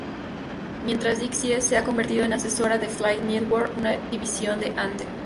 Mientras Dixie se ha convertido en asesora de Fight Network una división de Anthem.